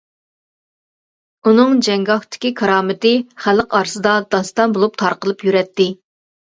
ئۇنىڭ جەڭگاھتىكى كارامىتى خەلق ئارىسىدا داستان بولۇپ تارقىلىپ يۈرەتتى.